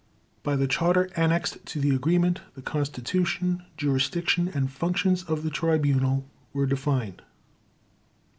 By the Charter annexed to the Agreement, the constitution, jurisdiction, and functions of the Tribunal were defined.